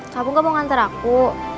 kamu gak mau ngantar aku